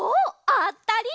あったり！